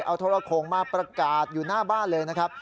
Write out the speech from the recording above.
เอาโทรโขงมาประกาศอยู่หน้าบ้านเลยนะครับ